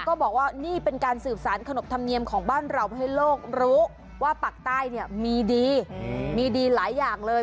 บอกว่านี่เป็นการสืบสารขนบธรรมเนียมของบ้านเราให้โลกรู้ว่าปากใต้เนี่ยมีดีมีดีหลายอย่างเลย